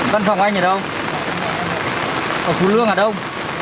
văn phòng anh ở đâu ở phú lương à đâu